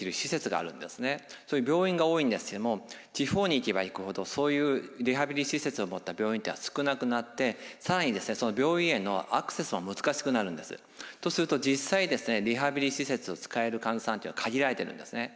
そういう病院が多いんですけども地方に行けば行くほどそういうリハビリ施設を持った病院というのは少なくなって更に病院へのアクセスも難しくなるんです。とすると実際リハビリ施設を使える患者さんっていうのは限られているんですね。